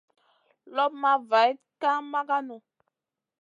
Loɓ ma vayd ka maganou.